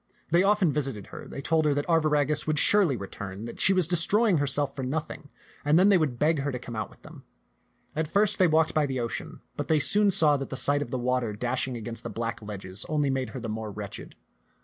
They often visited her, they told her that Arviragus would surely return, that she was destroying herself for nothing; and then they would beg her to come out with them. At first they walked by the ocean, but they soon saw that the sight of the water dash ing against the black ledges only made her the more wretched.